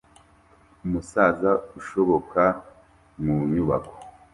Umusaza usohoka mu nyubako